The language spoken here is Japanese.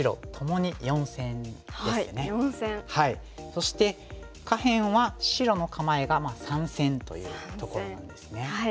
そして下辺は白の構えが三線というところなんですね。